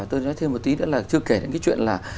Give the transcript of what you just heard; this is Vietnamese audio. tôi nói thêm một tí nữa là chưa kể đến cái chuyện là